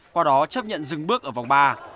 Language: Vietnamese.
qua đó chấp nhận dừng bước ở vòng ba